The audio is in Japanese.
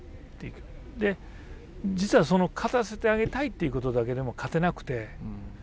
で実はその勝たせてあげたいっていうことだけでも勝てなくて。